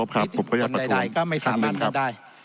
บุคคลใดก็ไม่สามารถทำได้